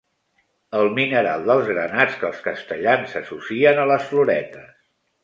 El mineral dels granats que els castellans associen a les floretes.